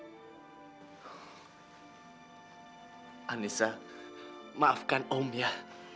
doakan selama om jalani hukuman ini om bisa menjadi orang baik